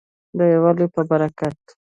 د یووالي په برکت.